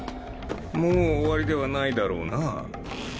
もう終わりではないだろうな？